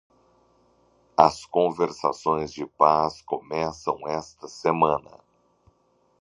As conversações de paz começam esta semana.